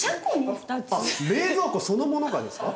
冷蔵庫そのものがですか？